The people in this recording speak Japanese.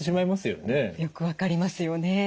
よく分かりますよね。